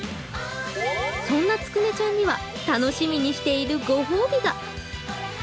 そんなつくねちゃんには楽しみにしているご褒美が。